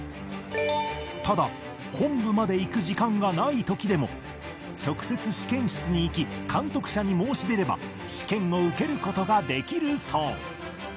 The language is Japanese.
ただ本部まで行く時間がない時でも直接試験室に行き監督者に申し出れば試験を受ける事ができるそう